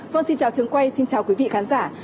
vâng xin chào trường quay xin chào quý vị khán giả